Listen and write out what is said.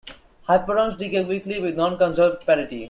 Hyperons decay weakly with non-conserved parity.